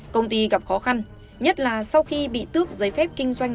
công ty gặp khó khăn nhất là sau khi bị tước giấy phép kinh doanh